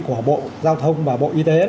của bộ giao thông và bộ y tế